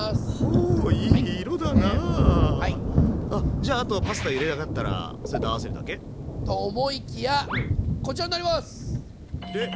じゃああとはパスタゆで上がったらそれと合わせるだけ？と思いきやこちらになります！